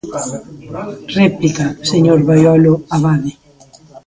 Réplica, señor Baiolo Abade.